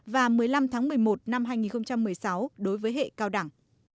và một mươi năm tháng một mươi một năm hai nghìn một mươi sáu đối với hệ cao đẳng